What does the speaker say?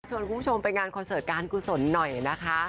คุณผู้ชมไปงานคอนเสิร์ตการกุศลหน่อยนะคะ